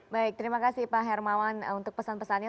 baik terima kasih pak hermawan untuk pesan pesannya